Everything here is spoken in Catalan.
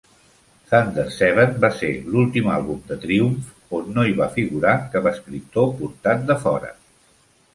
"Thunder Seven" va ser l'ultim àlbum de Triumph on no hi va figurar cap escriptor portat de fora.